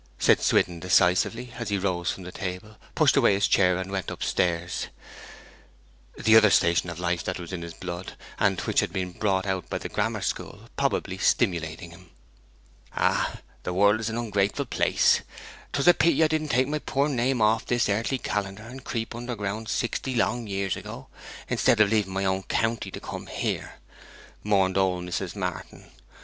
said Swithin decisively, as he rose from the table, pushed away his chair, and went up stairs; the 'other station of life that was in his blood,' and which had been brought out by the grammar school, probably stimulating him. 'Ah, the world is an ungrateful place! 'Twas a pity I didn't take my poor name off this earthly calendar and creep under ground sixty long years ago, instead of leaving my own county to come here!' mourned old Mrs. Martin.